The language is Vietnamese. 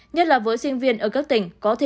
nhất là với sinh viên ở các tỉnh có thể